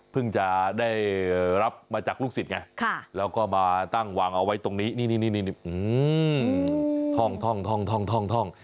จะได้รับมาจากลูกศิษย์ไงแล้วก็มาตั้งวางเอาไว้ตรงนี้นี่ท่อง